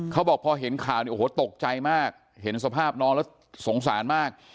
เขาบอกพอเห็นข่าวเนี่ยโอ้โหตกใจมากเห็นสภาพน้องแล้วสงสารมาก